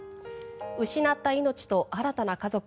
失った命と新たな家族。